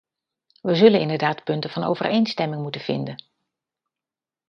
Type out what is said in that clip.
We zullen inderdaad punten van overeenstemming moeten vinden.